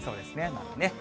まだね。